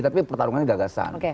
tapi pertarungannya gagasan